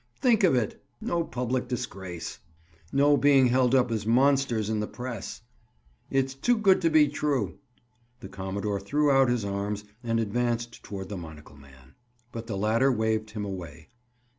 "Think of it! No public disgrace!" "No being held up as monsters in the press!" "It's too good to be true." The commodore threw out his arms and advanced toward the monocle man. But the latter waved him away.